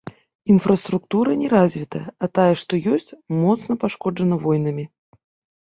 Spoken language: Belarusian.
Інфраструктура неразвітая, а тая што ёсць, моцна пашкоджана войнамі.